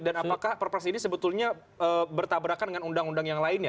dan apakah kepres ini sebetulnya bertabrakan dengan undang undang yang lainnya